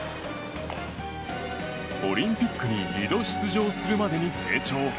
オリンピックに２度出場するまでに成長。